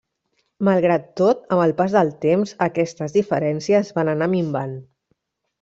Malgrat tot, amb el pas del temps, aquestes diferències van anar minvant.